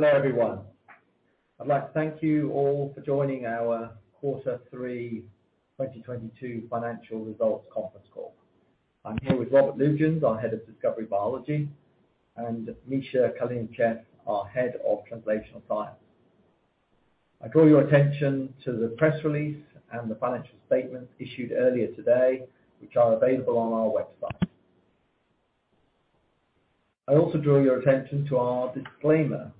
Hello, everyone. I'd like to thank you all for joining our Q3 2022 financial results conference call. I'm here with Robert Lutjens, our Head of Discovery Biology, and Misha Kalinichev, our Head of Translational Science. I draw your attention to the press release and the financial statements issued earlier today, which are available on our website. I also draw your attention to our disclaimer.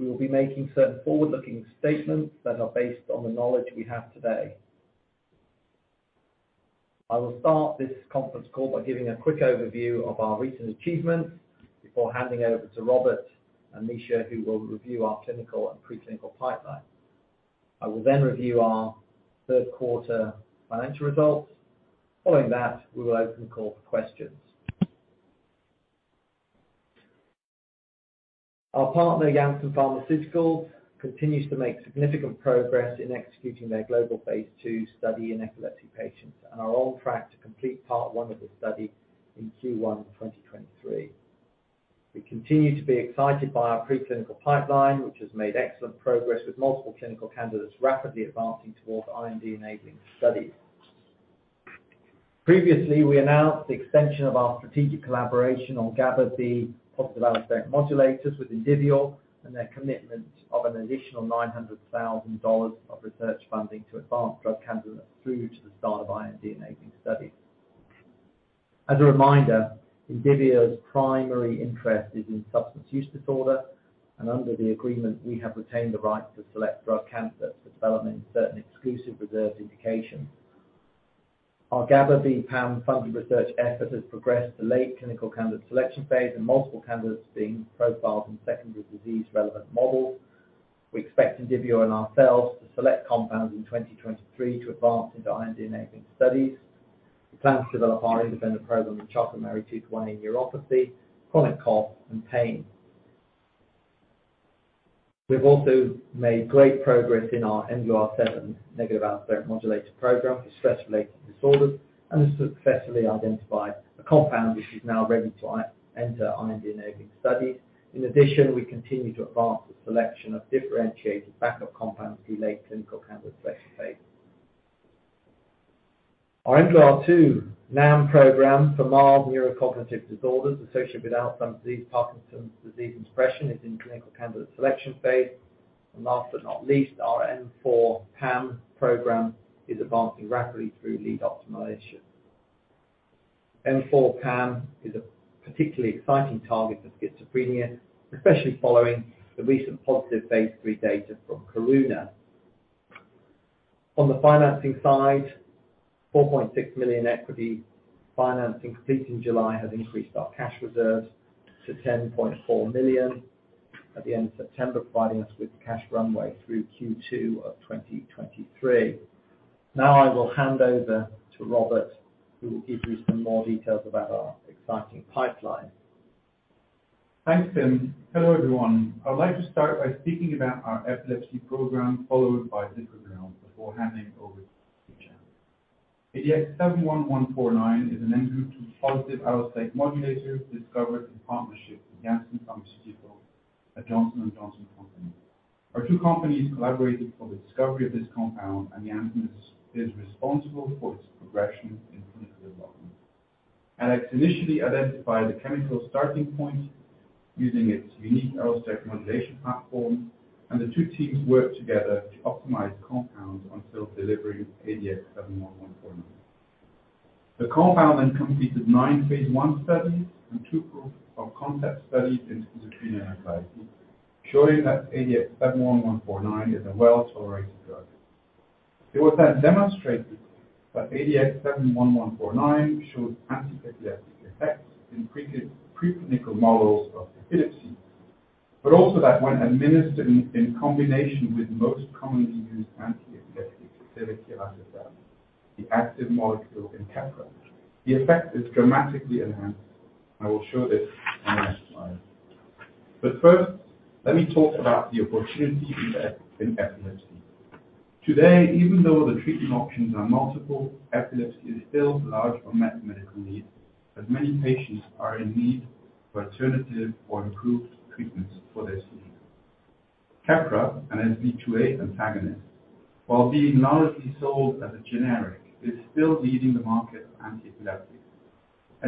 We will be making certain forward-looking statements that are based on the knowledge we have today. I will start this conference call by giving a quick overview of our recent achievements before handing over to Robert and Misha, who will review our clinical and pre-clinical pipeline. I will then review our third quarter financial results. Following that, we will open the call for questions. Our partner, Janssen Pharmaceutical, continues to make significant progress in executing their global phase II study in epilepsy patients and are on track to complete part one of the study in Q1 2023. We continue to be excited by our pre-clinical pipeline, which has made excellent progress, with multiple clinical candidates rapidly advancing towards IND-enabling studies. Previously, we announced the extension of our strategic collaboration on GABA-B positive allosteric modulators with Indivior and their commitment of an additional $900,000 of research funding to advance drug candidates through to the start of IND-enabling studies. As a reminder, Indivior's primary interest is in substance use disorder, and under the agreement, we have retained the right to select drug candidates for development in certain exclusive reserved indications. Our GABA-B PAM funded research effort has progressed to late clinical candidate selection phase, and multiple candidates are being profiled in secondary disease-relevant models. We expect Indivior and ourselves to select compounds in 2023 to advance into IND-enabling studies. We plan to develop our independent program with Charcot-Marie-Tooth 1A neuropathy, chronic cough, and pain. We've also made great progress in our mGluR7 negative allosteric modulator program for stress-related disorders and have successfully identified a compound which is now ready to enter IND-enabling studies. In addition, we continue to advance the selection of differentiated backup compounds to the late clinical candidate selection phase. Our mGluR2 NAM program for mild neurocognitive disorders associated with Alzheimer's disease and Parkinson's disease is in clinical candidate selection phase. Last but not least, our M4 PAM program is advancing rapidly through lead optimization. M4 PAM is a particularly exciting target for schizophrenia, especially following the recent positive phase III data from Karuna Therapeutics. On the financing side, 4.6 million equity financing completed in July has increased our cash reserves to 10.4 million at the end of September, providing us with cash runway through Q2 of 2023. Now I will hand over Robert Lutjens, who will give you some more details about our exciting pipeline. Thanks, Tim. Hello, everyone. I'd like to start by speaking about our epilepsy program, followed by dipraglurant, before handing over to Misha. ADX-71149 is an mGlu2 positive allosteric modulator discovered in partnership with Janssen Pharmaceuticals, a Johnson & Johnson company. Our two companies collaborated for the discovery of this compound, and Janssen is responsible for its progression in clinical development. Addex initially identified the chemical starting point using its unique allosteric modulation platform, and the two teams worked together to optimize compounds until delivering ADX-71149. The compound then completed nine phase I studies and two proof-of-concept studies in schizophrenia and anxiety, showing that ADX-71149 is a well-tolerated drug. It was then demonstrated that ADX-71149 showed anti-epileptic effects in preclinical models of epilepsy. Also that when administered in combination with the most commonly used anti-epileptic, levetiracetam, the active molecule in Keppra, the effect is dramatically enhanced. I will show this on the next slide. First, let me talk about the opportunity in epilepsy. Today, even though the treatment options are multiple, epilepsy is still a large unmet medical need, as many patients are in need for alternative or improved treatments for their seizure. Keppra, an SV2A antagonist, while being largely sold as a generic, is still leading the market for antiepileptics,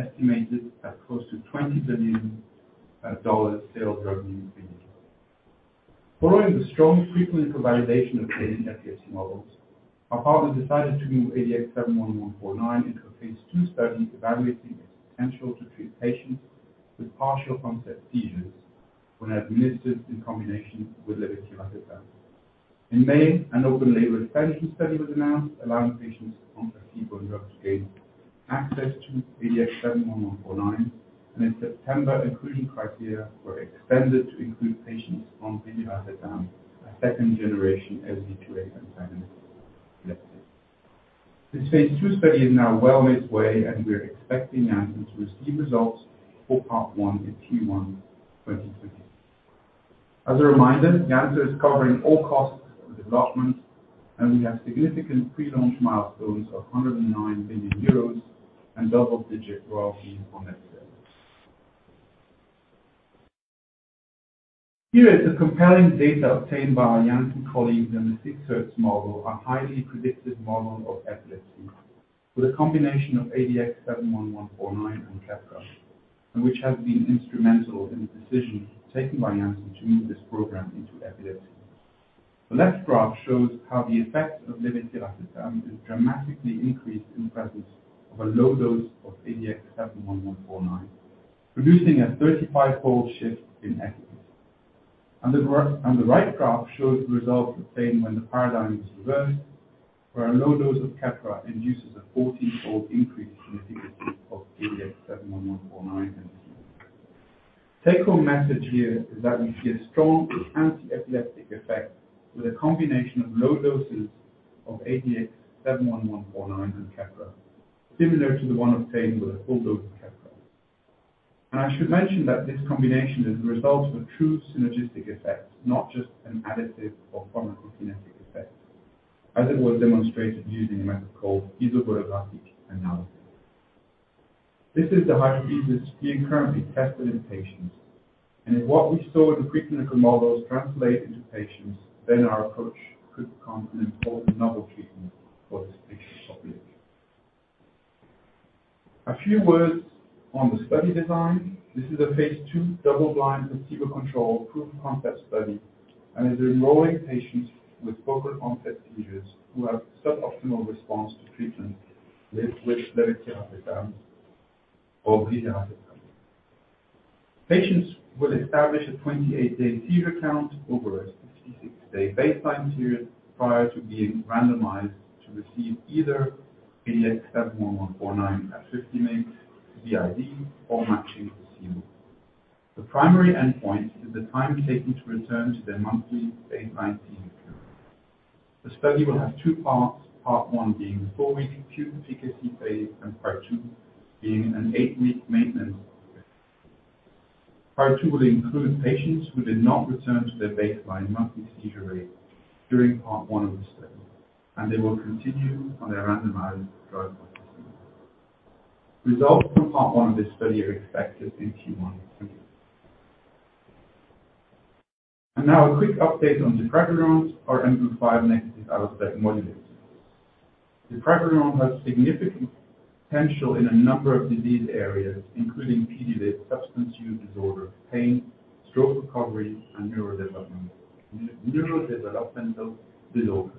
estimated at close to $20 billion in sales revenue per year. Following the strong pre-clinical validation obtained in epilepsy models, our partner decided to move ADX-71149 into a phase II study evaluating its potential to treat patients with partial onset seizures when administered in combination with levetiracetam. In May, an open-label expansion study was announced, allowing patients on placebo and drug to gain access to ADX71149. In September, inclusion criteria were expanded to include patients on brivaracetam, a second-generation SV2A antagonist epilepsy. The phase II study is now well midway, and we are expecting Janssen to receive results for part one in Q1 2023. As a reminder, Janssen is covering all costs for development. We have significant pre-launch milestones of 109 million euros and double-digit royalty on net sales. Here is the compelling data obtained by our Janssen colleagues in the 6 Hz model, a highly predictive model of epilepsy, with a combination of ADX71149 and Keppra, and which has been instrumental in the decision taken by Janssen to move this program into epilepsy. The left graph shows how the effect of levetiracetam is dramatically increased in presence of a low dose of ADX71149, producing a 35-fold shift in efficacy. The right graph shows results obtained when the paradigm is reversed, where a low dose of Keppra induces a 14-fold increase in the efficacy of ADX71149 in vivo. Take-home message here is that we see a strong anti-epileptic effect with a combination of low doses of ADX71149 and Keppra, similar to the one obtained with a full dose of Keppra. I should mention that this combination is the result of a true synergistic effect, not just an additive or pharmacokinetic effect, as it was demonstrated using a method called isobolographic analysis. This is the hypothesis being currently tested in patients. If what we saw in the preclinical models translate into patients, then our approach could become an important novel treatment for this patient population. A few words on the study design. This is a phase II double-blind placebo-controlled proof-of-concept study and is enrolling patients with focal onset seizures who have suboptimal response to treatment with levetiracetam or brivaracetam. Patients will establish a 28-day seizure count over a 66-day baseline period prior to being randomized to receive either ADX71149 at 50 mg BID or matching placebo. The primary endpoint is the time taken to return to their monthly baseline seizure. The study will have two parts, part one being a four-week acute efficacy phase, and part two being an eight-week maintenance phase. Part two will include patients who did not return to their baseline monthly seizure rate during part one of the study, and they will continue on their randomized drug. Results from part one of this study are expected in Q1 of 2023. Now a quick update on dipraglurant, our mGlu5 negative allosteric modulator. Dipraglurant has significant potential in a number of disease areas, including PD-LID, substance use disorder, pain, stroke recovery, and neurodevelopmental disorders.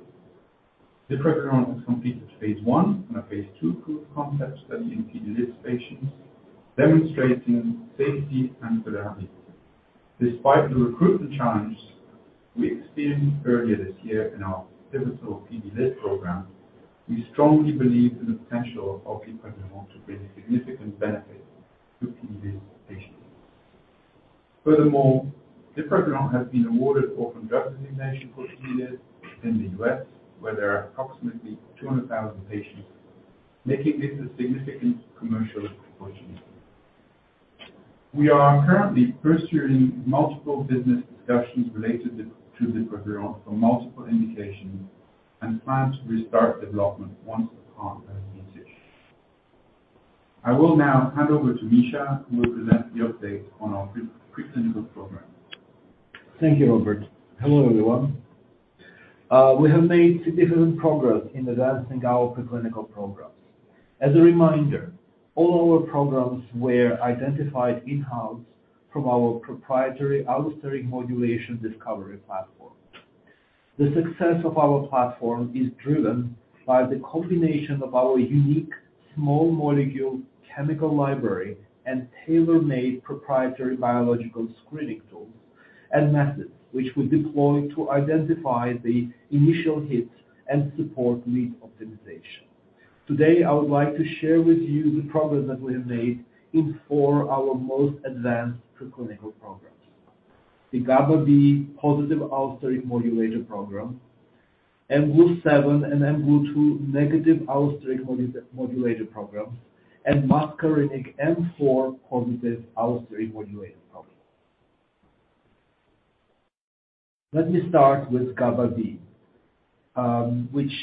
Dipraglurant has completed phase I and a phase II proof-of-concept study in PD-LID patients, demonstrating safety and tolerability. Despite the recruitment challenge we experienced earlier this year in our pivotal PD-LID program, we strongly believe in the potential of dipraglurant to bring significant benefit to PD-LID patients. Furthermore, dipraglurant has been awarded orphan drug designation for PD-LID in the U.S., where there are approximately 200,000 patients, making this a significant commercial opportunity. We are currently pursuing multiple business discussions related to dipraglurant for multiple indications and plan to restart development once the partner is engaged. I will now hand over to Misha, who will present the update on our pre-clinical programs. Thank you, Robert. Hello, everyone. We have made significant progress in advancing our pre-clinical programs. As a reminder, all our programs were identified in-house from our proprietary allosteric modulation discovery platform. The success of our platform is driven by the combination of our unique small molecule chemical library and tailor-made proprietary biological screening tools and methods, which we deploy to identify the initial hits and support lead optimization. Today, I would like to share with you the progress that we have made in our four most advanced pre-clinical programs. The GABA-B positive allosteric modulator program, mGlu7 and mGlu2 negative allosteric modulator program, and muscarinic M4 positive allosteric modulator program. Let me start with GABA-B, which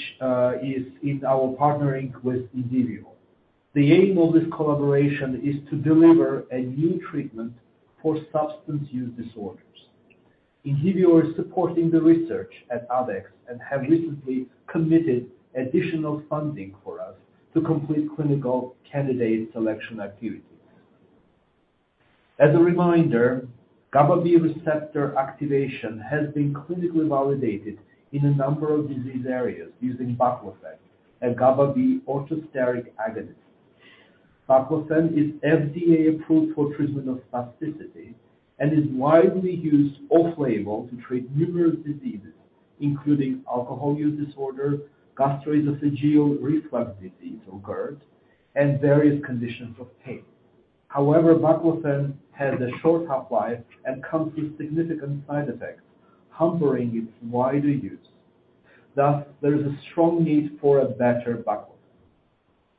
is in our partnering with Indivior. The aim of this collaboration is to deliver a new treatment for substance use disorders. Indivior is supporting the research at Addex and have recently committed additional funding for us to complete clinical candidate selection activities. As a reminder, GABA-B receptor activation has been clinically validated in a number of disease areas using baclofen, a GABA-B orthosteric agonist. Baclofen is FDA-approved for treatment of spasticity and is widely used off-label to treat numerous diseases, including alcohol use disorder, gastroesophageal reflux disease or GERD, and various conditions of pain. However, baclofen has a short half-life and comes with significant side effects, hampering its wider use. Thus, there is a strong need for a better baclofen.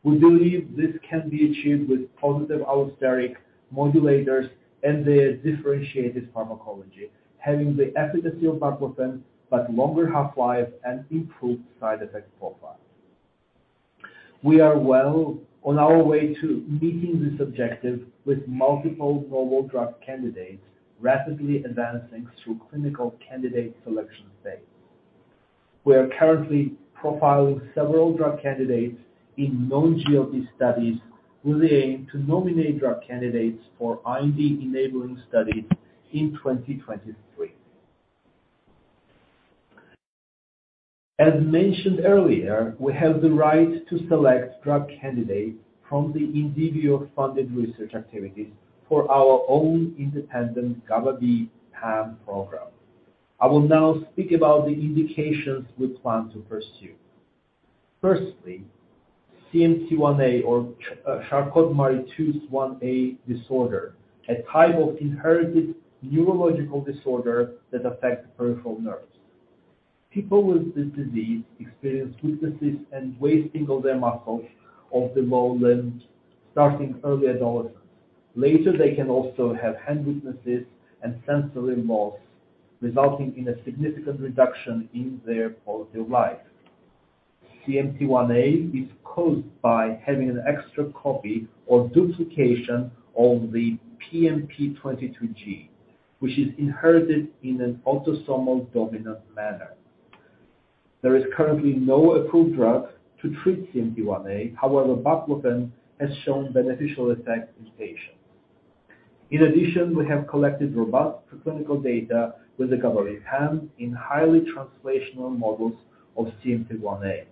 We believe this can be achieved with positive allosteric modulators and their differentiated pharmacology, having the efficacy of baclofen but longer half-life and improved side effect profile. We are well on our way to meeting this objective with multiple novel drug candidates rapidly advancing through clinical candidate selection phase. We are currently profiling several drug candidates in non-GLP studies with the aim to nominate drug candidates for IND-enabling studies in 2023. As mentioned earlier, we have the right to select drug candidates from the Indivior-funded research activities for our own independent GABA-B PAM program. I will now speak about the indications we plan to pursue. Firstly, CMT1A or Charcot-Marie-Tooth type 1A disorder, a type of inherited neurological disorder that affects peripheral nerves. People with this disease experience weaknesses and wasting of their muscles of the lower limb, starting early adolescence. Later, they can also have hand weaknesses and sensory loss, resulting in a significant reduction in their quality of life. CMT1A is caused by having an extra copy or duplication of the PMP22 gene, which is inherited in an autosomal dominant manner. There is currently no approved drug to treat CMT1A. However, baclofen has shown beneficial effects in patients. In addition, we have collected robust pre-clinical data with the GABA-B PAM in highly translational models of CMT1A.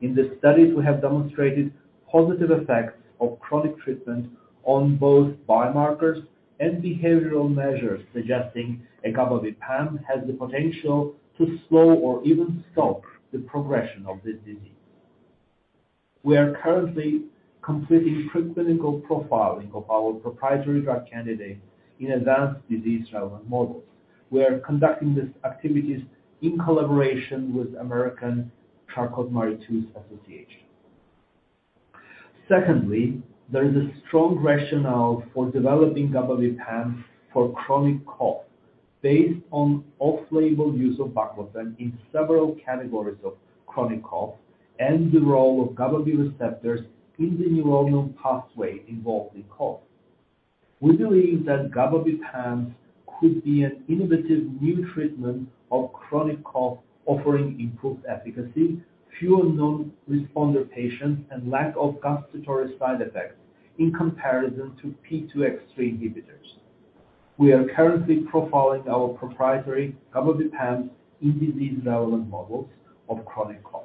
In the studies, we have demonstrated positive effects of chronic treatment on both biomarkers and behavioral measures, suggesting a GABA-B PAM has the potential to slow or even stop the progression of this disease. We are currently completing pre-clinical profiling of our proprietary drug candidate in advanced disease relevant models. We are conducting these activities in collaboration with American Charcot-Marie-Tooth Association. Secondly, there is a strong rationale for developing GABA-B PAM for chronic cough based on off-label use of baclofen in several categories of chronic cough and the role of GABA-B receptors in the neuronal pathway involved in cough. We believe that GABA-B PAM could be an innovative new treatment of chronic cough, offering improved efficacy, fewer non-responder patients, and lack of constitutional side effects in comparison to P2X3 inhibitors. We are currently profiling our proprietary GABA-B PAM in disease development models of chronic cough.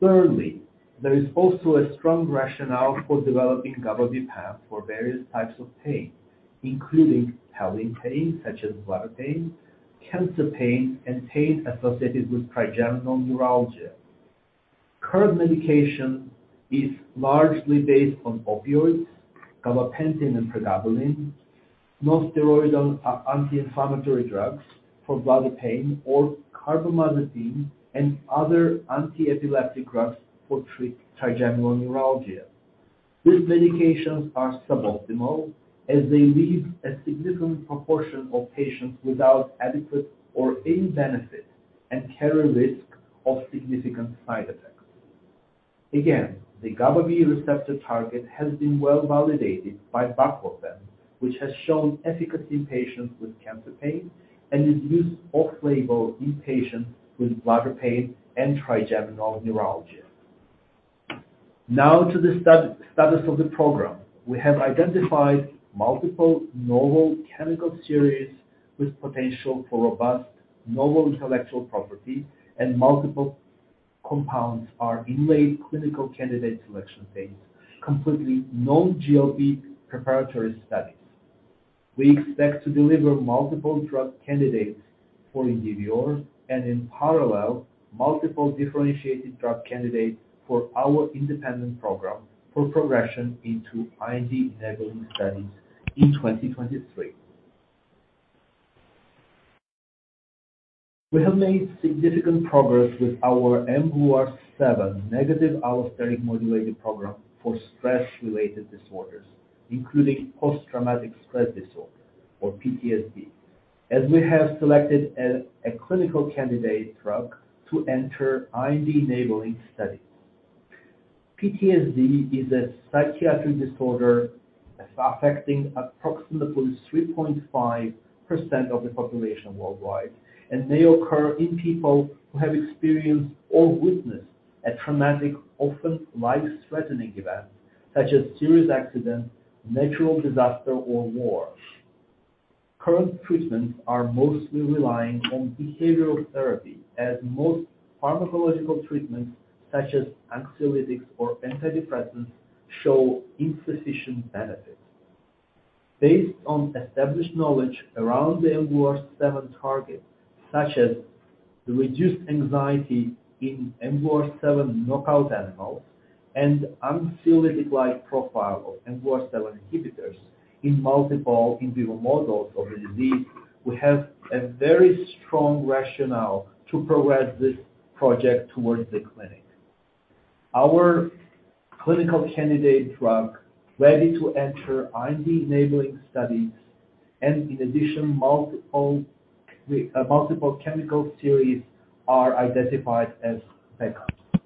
Thirdly, there is also a strong rationale for developing GABA-B PAM for various types of pain, including pelvic pain, such as bladder pain, cancer pain, and pain associated with trigeminal neuralgia. Current medication is largely based on opioids, gabapentin and pregabalin, nonsteroidal anti-inflammatory drugs for bladder pain, or carbamazepine and other anti-epileptic drugs for trigeminal neuralgia. These medications are suboptimal as they leave a significant proportion of patients without adequate or any benefit and carry risk of significant side effects. Again, the GABA-B receptor target has been well-validated by baclofen, which has shown efficacy in patients with cancer pain and is used off-label in patients with bladder pain and trigeminal neuralgia. Now to the status of the program. We have identified multiple novel chemical series with potential for robust novel intellectual property and multiple compounds are in late clinical candidate selection phase, completing non-GLP preparatory studies. We expect to deliver multiple drug candidates for Indivior and in parallel, multiple differentiated drug candidates for our independent program for progression into IND-enabling studies in 2023. We have made significant progress with our mGluR7 negative allosteric modulator program for stress-related disorders, including post-traumatic stress disorder or PTSD, as we have selected a clinical candidate drug to enter IND-enabling studies. PTSD is a psychiatric disorder affecting approximately 3.5% of the population worldwide and may occur in people who have experienced or witnessed a traumatic, often life-threatening event such as a serious accident, natural disaster, or war. Current treatments are mostly relying on behavioral therapy as most pharmacological treatments, such as anxiolytics or antidepressants, show insufficient benefits. Based on established knowledge around the mGluR7 target, such as the reduced anxiety in mGluR7 knockout animals and anxiolytic-like profile of mGluR7 inhibitors in multiple in vivo models of the disease, we have a very strong rationale to progress this project towards the clinic. Our clinical candidate drug ready to enter IND-enabling studies, and in addition, multiple chemical series are identified as backups.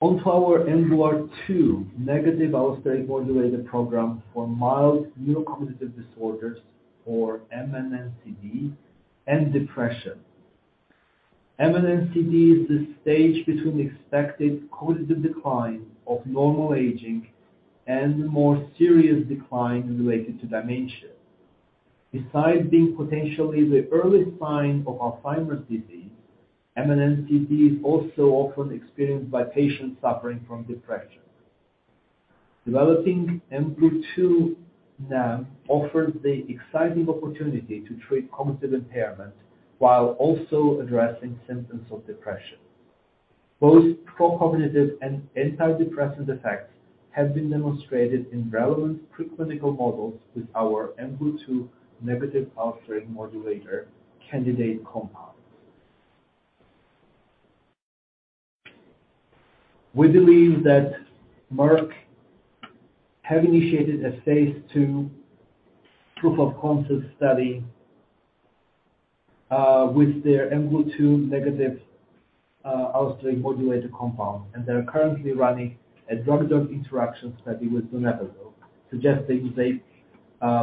On to our mGluR2 negative allosteric modulator program for mild neurocognitive disorders, or MNCD, and depression. MNCD is the stage between expected cognitive decline of normal aging and more serious decline related to dementia. Besides being potentially the early sign of Alzheimer's disease, MNCD is also often experienced by patients suffering from depression. Developing mGlu2 now offers the exciting opportunity to treat cognitive impairment while also addressing symptoms of depression. Both pro-cognitive and antidepressant effects have been demonstrated in relevant preclinical models with our mGlu2 negative allosteric modulator candidate compounds. We believe that Merck have initiated a phase II proof of concept study with their mGlu2 negative allosteric modulator compound, and they are currently running a drug interaction study with donepezil, suggesting they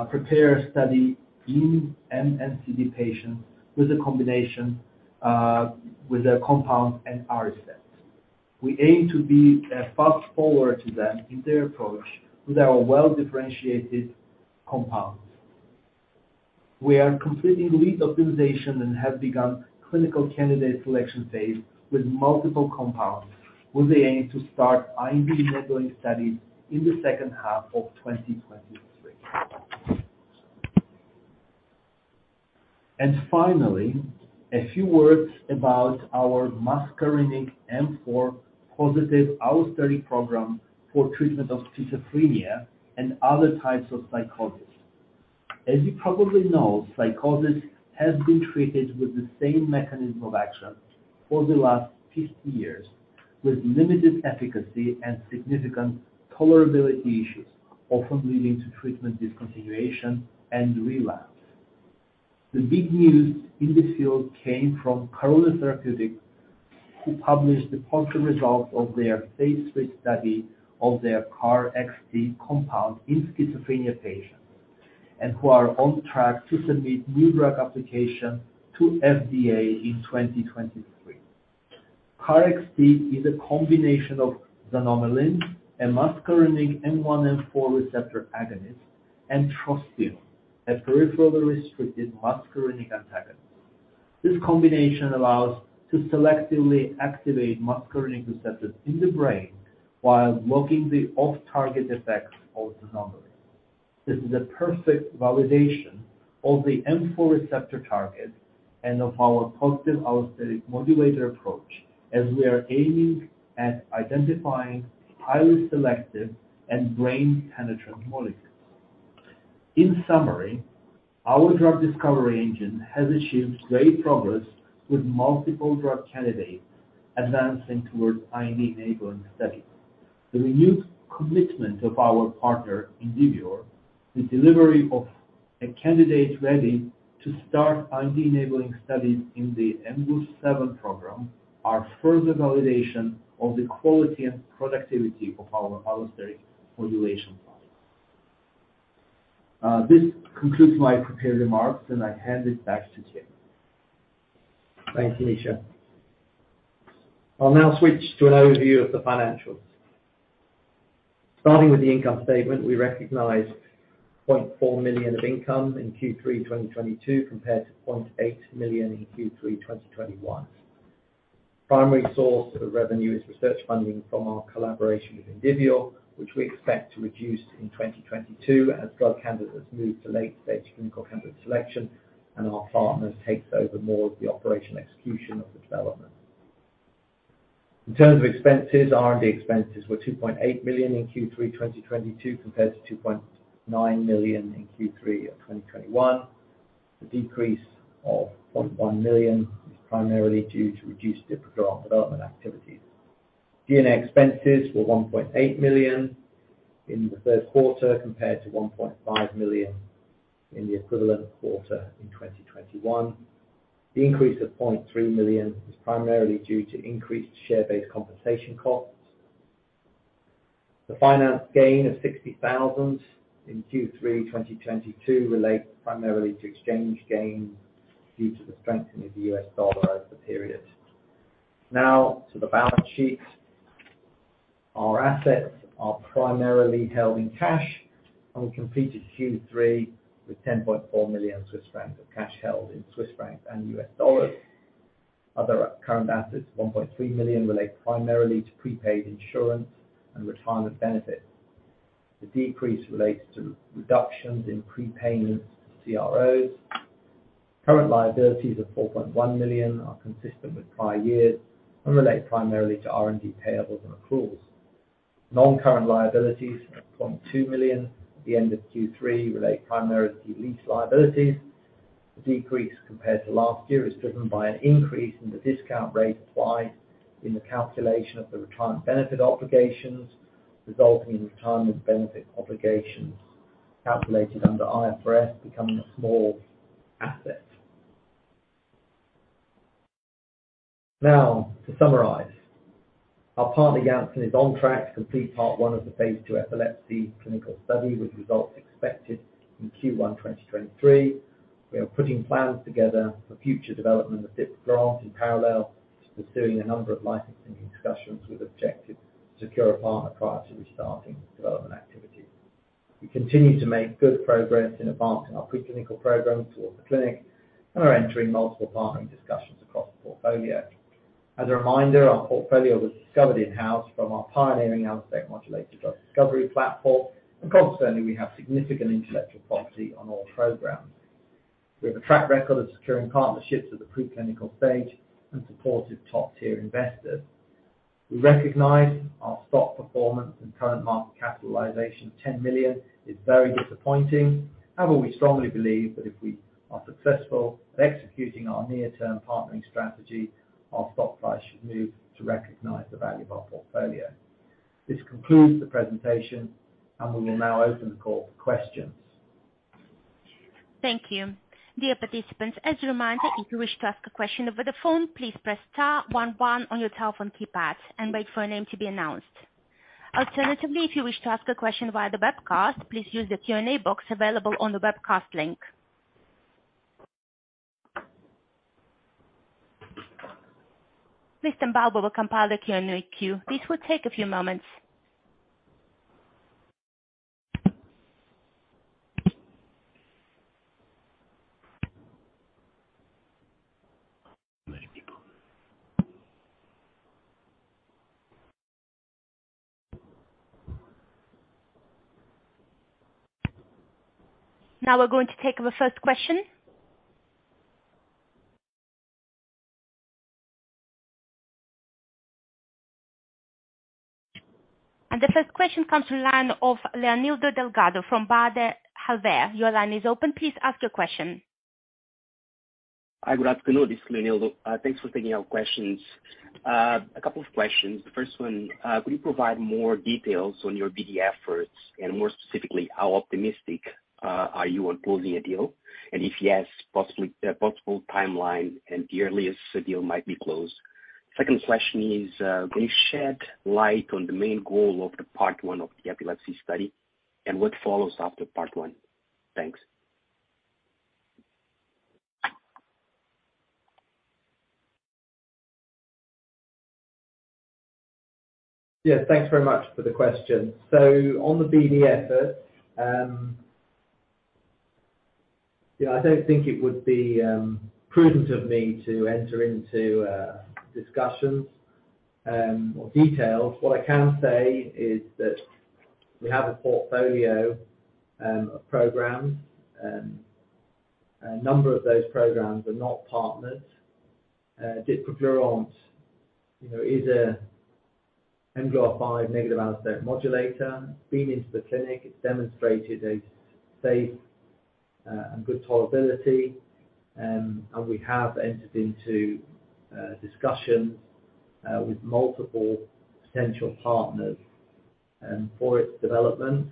prepare a study in MNCD patients with a combination with their compound and Aricept. We aim to be a fast follower to them in their approach with our well-differentiated compounds. We are completing lead optimization and have begun clinical candidate selection phase with multiple compounds, with the aim to start IND-enabling studies in the second half of 2023. Finally, a few words about our muscarinic M4 positive allosteric program for treatment of schizophrenia and other types of psychosis. As you probably know, psychosis has been treated with the same mechanism of action for the last 50 years, with limited efficacy and significant tolerability issues, often leading to treatment discontinuation and relapse. The big news in the field came from Karuna Therapeutics, who published the positive result of their phase III study of their KarXT compound in schizophrenia patients, and who are on track to submit new drug application to FDA in 2023. KarXT is a combination of xanomeline, a muscarinic M1/M4 receptor agonist, and trospium, a peripherally-restricted muscarinic antagonist. This combination allows to selectively activate muscarinic receptors in the brain while blocking the off-target effects of xanomeline. This is a perfect validation of the M4 receptor target and of our positive allosteric modulator approach, as we are aiming at identifying highly selective and brain-penetrant molecules. In summary, our drug discovery engine has achieved great progress with multiple drug candidates advancing towards IND-enabling studies. The renewed commitment of our partner, Indivior, the delivery of a candidate ready to start IND-enabling studies in the mGlu7 program, are further validation of the quality and productivity of our allosteric modulation products. This concludes my prepared remarks, and I hand it back to Tim. Thanks, Misha. I'll now switch to an overview of the financials. Starting with the income statement, we recognized 0.4 million of income in Q3 2022 compared to 0.8 million in Q3 2021. Primary source of revenue is research funding from our collaboration with Indivior, which we expect to reduce in 2022 as drug candidates move to late-stage clinical candidate selection and our partners takes over more of the operation execution of the development. In terms of expenses, R&D expenses were 2.8 million in Q3 2022 compared to 2.9 million in Q3 of 2021. The decrease of 0.1 million is primarily due to reduced dipraglurant development activities. G&A expenses were 1.8 million in the third quarter compared to 1.5 million in the equivalent quarter in 2021. The increase of 0.3 million was primarily due to increased share-based compensation costs. The finance gain of 60,000 in Q3 2022 relates primarily to exchange gains due to the strengthening of the U.S. dollar over the period. Now to the balance sheet. Our assets are primarily held in cash, and we completed Q3 with 10.4 million Swiss francs of cash held in Swiss francs and U.S. dollars. Other current assets, 1.3 million, relate primarily to prepaid insurance and retirement benefits. The decrease relates to reductions in prepayments to CROs. Current liabilities of 4.1 million are consistent with prior years and relate primarily to R&D payables and accruals. Non-current liabilities of 0.2 million at the end of Q3 relate primarily to lease liabilities. The decrease compared to last year is driven by an increase in the discount rate applied in the calculation of the retirement benefit obligations, resulting in retirement benefit obligations calculated under IFRS becoming a small asset. Now, to summarize. Our partner, Janssen, is on track to complete part one of the phase II epilepsy clinical study, with results expected in Q1 2023. We are putting plans together for future development of dipraglurant in parallel to pursuing a number of licensing discussions with objective to secure a partner prior to restarting development activity. We continue to make good progress in advancing our preclinical programs towards the clinic and are entering multiple partnering discussions across the portfolio. As a reminder, our portfolio was discovered in-house from our pioneering allosteric modulator drug discovery platform. Consequently, we have significant intellectual property on all programs. We have a track record of securing partnerships at the preclinical stage and supportive top-tier investors. We recognize our stock performance and current market capitalization of 10 million is very disappointing. However, we strongly believe that if we are successful at executing our near-term partnering strategy, our stock price should move to recognize the value of our portfolio. This concludes the presentation, and we will now open the call for questions. Thank you. Dear participants, as a reminder, if you wish to ask a question over the phone, please press star one one on your telephone keypad and wait for your name to be announced. Alternatively, if you wish to ask a question via the webcast, please use the Q&A box available on the webcast link. Please stand by while we compile the Q&A queue. This will take a few moments. Now, we're going to take the first question. The first question comes from the line of Leonildo Delgado from Baader Helvea. Your line is open. Please ask your question. Hi, good afternoon. This is Leonildo. Thanks for taking our questions. A couple of questions. The first one, will you provide more details on your BD efforts? And more specifically, how optimistic are you on closing a deal? And if yes, possibly, possible timeline and the earliest the deal might be closed. Second question is, can you shed light on the main goal of the part one of the epilepsy study and what follows after part one? Thanks. Yeah, thanks very much for the question. On the BD effort, yeah, I don't think it would be prudent of me to enter into discussions or details. What I can say is that we have a portfolio of programs, a number of those programs are not partnered. Dipraglurant, you know, is a mGluR5 negative allosteric modulator. Been into the clinic. It's demonstrated a safe and good tolerability, and we have entered into discussions with multiple potential partners for its development.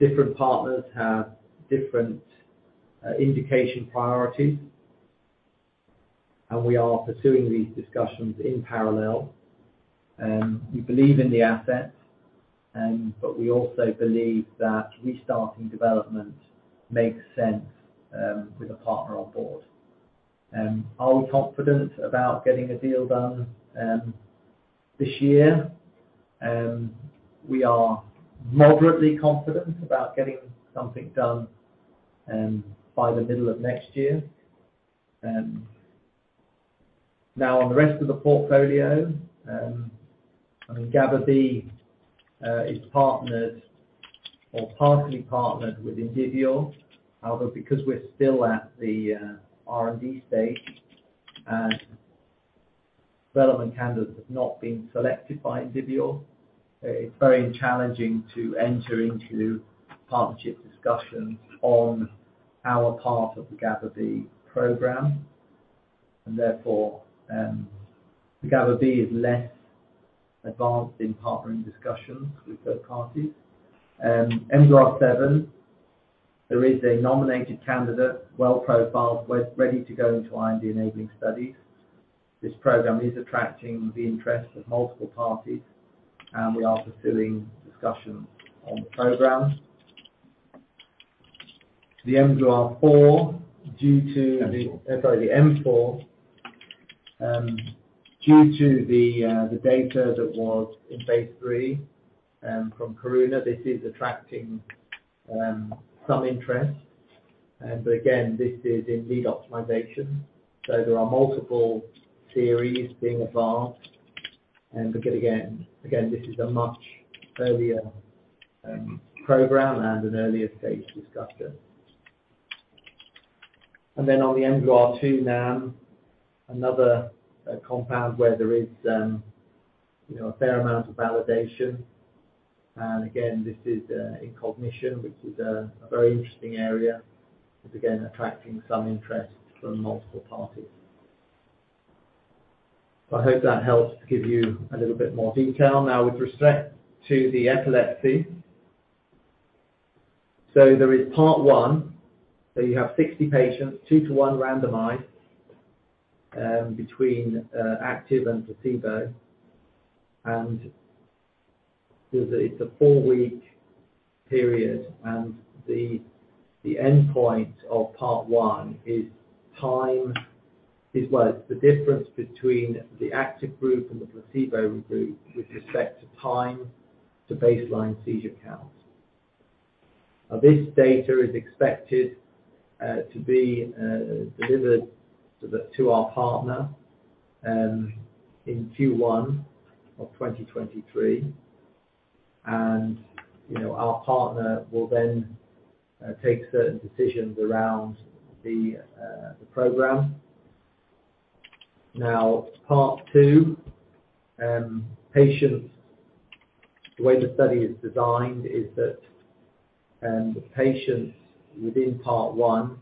Different partners have different indication priorities, and we are pursuing these discussions in parallel. We believe in the asset, but we also believe that restarting development makes sense with a partner on board. Are we confident about getting a deal done this year? We are moderately confident about getting something done by the middle of next year. Now, on the rest of the portfolio, I mean, GABA-B is partnered or partially partnered with Indivior. However, because we're still at the R&D stage and relevant candidates have not been selected by Indivior, it's very challenging to enter into partnership discussions on our part of the GABA-B program. Therefore, the GABA-B is less advanced in partnering discussions with third parties. mGluR7, there is a nominated candidate, well-profiled. We're ready to go into IND-enabling studies. This program is attracting the interest of multiple parties, and we are pursuing discussions on the program. The mGluR4, due to the M4 data that was in phase III from Karuna Therapeutics, this is attracting some interest. This is in lead optimization. There are multiple theories being advanced. Again, this is a much earlier program and an earlier stage discussion. Then on the mGluR2 NAM, another compound where there is, you know, a fair amount of validation. Again, this is in cognition, which is a very interesting area. It's again, attracting some interest from multiple parties. I hope that helps to give you a little bit more detail. Now, with respect to the epilepsy. There is part one, so you have 60 patients, two-to-one randomized, between active and placebo. There's a four-week period, and the endpoint of part one is time. Is what? It's the difference between the active group and the placebo group with respect to time to baseline seizure counts. Now this data is expected to be delivered to our partner in Q1 of 2023. You know, our partner will then take certain decisions around the program. Now, part two patients. The way the study is designed is that the patients within part one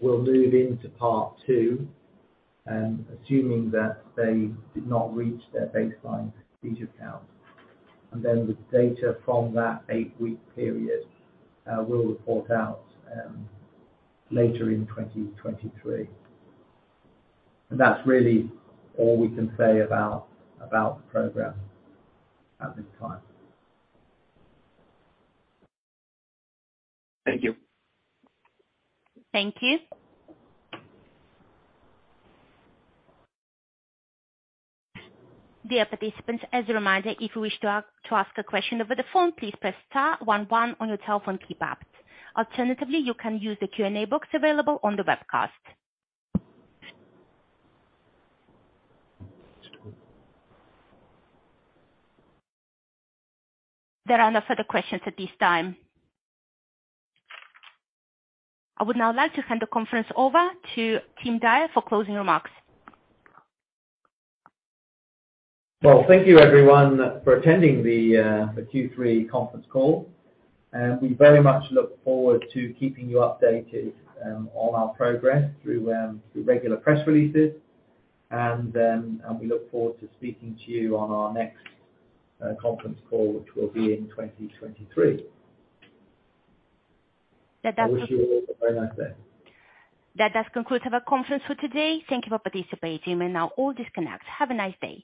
will move into part two assuming that they did not reach their baseline seizure count. Then the data from that eight-week period we'll report out later in 2023. That's really all we can say about the program at this time. Thank you. Thank you. Dear participants, as a reminder, if you wish to ask a question over the phone, please press star one one on your telephone keypad. Alternatively, you can use the Q&A box available on the webcast. There are no further questions at this time. I would now like to hand the conference over to Tim Dyer for closing remarks. Well, thank you everyone for attending the Q3 conference call. We very much look forward to keeping you updated on our progress through regular press releases. We look forward to speaking to you on our next conference call, which will be in 2023. That does- I wish you all a very nice day. That does conclude our conference for today. Thank you for participating. You may now all disconnect. Have a nice day.